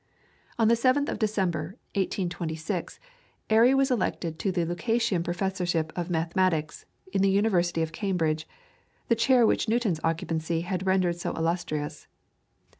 On the 7th of December, 1826, Airy was elected to the Lucasian Professorship of Mathematics in the University of Cambridge, the chair which Newton's occupancy had rendered so illustrious.